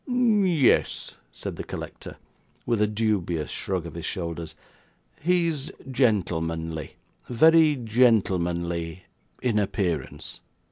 'Yes,' said the collector, with a dubious shrug of his shoulders, 'He is gentlemanly, very gentlemanly in appearance.